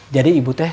jadi ibu teh